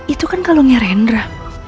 itu kan kalungnya rendra